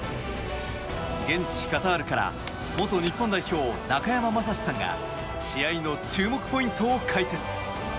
現地カタールから元日本代表、中山雅史さんが試合の注目ポイントを解説。